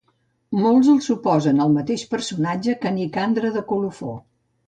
Molts el suposen el mateix personatge que Nicandre de Colofó.